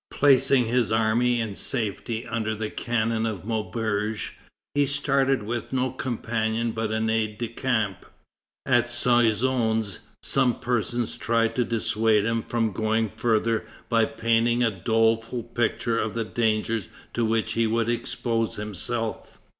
Placing his army in safety under the cannon of Maubeuge, he started with no companion but an aide de camp. At Soissons some persons tried to dissuade him from going further by painting a doleful picture of the dangers to which he would expose himself.